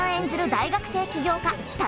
大学生起業家橘